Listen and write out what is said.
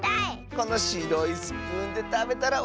このしろいスプーンでたべたらおいしそう！